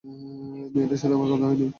মেয়েটার সাথে আমার কথা হয়নি।